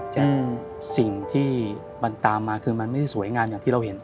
สิ่งที่มันตามมาคือมันไม่ได้สวยงามอย่างที่เราเห็น